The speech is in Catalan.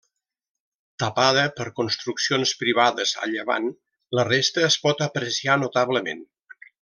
Tapada per construccions privades a llevant, la resta es pot apreciar notablement.